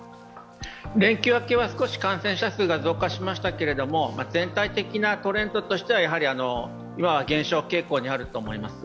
連休明けは少し感染者数が増加しましたけど全体的なトレンドとしては今は減少傾向にあると思います。